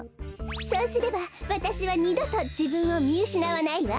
そうすればわたしはにどとじぶんをみうしなわないわ。